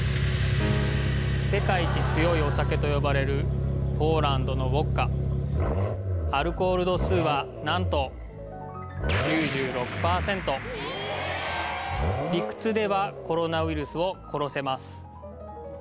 世界一強いお酒と呼ばれるポーランドのウォッカアルコール度数は何と理屈ではコロナウイルスを殺せます